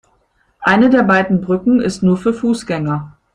Eine der beiden Brücken ist nur für Fußgänger.